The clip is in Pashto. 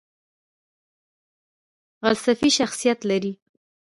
غلسفي شخصیت لري .